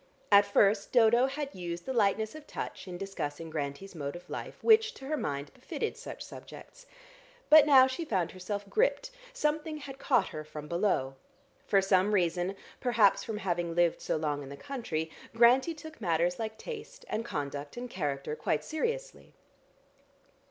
At first Dodo had used the lightness of touch, in discussing Grantie's mode of life, which, to her mind, befitted such subjects. But now she found herself gripped; something had caught her from below. For some reason perhaps from having lived so long in the country Grantie took matters like tastes and conduct and character quite seriously.